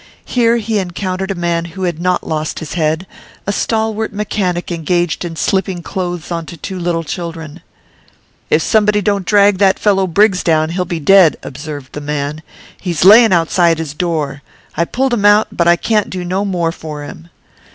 Here he encountered a man who had not lost his head, a stalwart mechanic engaged in slipping clothes on to two little children. 'If somebody don't drag that fellow Briggs down he'll be dead,' observed the man. 'He's layin' outside his door. I pulled him out, but I can't do no more for him.